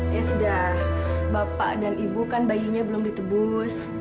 ya sudah bapak dan ibu kan bayinya belum ditebus